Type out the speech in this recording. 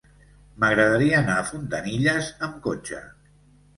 M'agradaria anar a Fontanilles amb cotxe.